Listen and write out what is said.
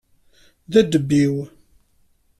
D adebbiw?